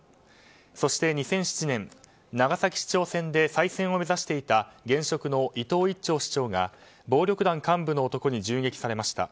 そして２００７年長崎市長選で再選を目指していた現職の伊藤一長市長が暴力団幹部の男に銃撃されました。